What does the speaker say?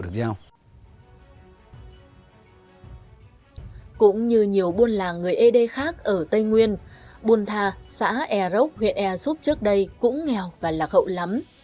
cũng như nhiều buôn làng người e đây khác ở tây nguyên buôn thà xã ea rốc huyện ea xúc trước đây cũng nghèo và lạc hậu lắm